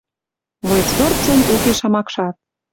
Млоец дорцын уке шамакшат.